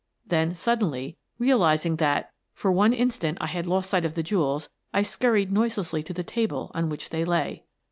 Then, suddenly, realizing that, for one instant, I had lost sight of the jewels, I scurried noiselessly to the table on which they lay.